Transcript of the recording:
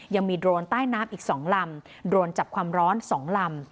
ยังมีโดรนใต้น้ำอีก๒ลำโดนจับความร้อน๒ลำ